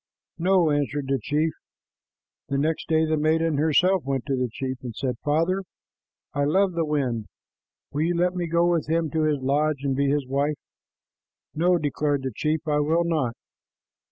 "No," answered the chief. The next day the maiden herself went to the chief and said, "Father, I love the wind. Will you let me go with him to his lodge and be his wife?" "No," declared the chief, "I will not.